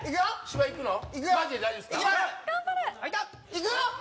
いくよ！